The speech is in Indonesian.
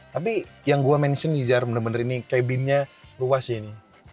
tapi yang gue mention nih jar bener bener cabin nya luas sih ini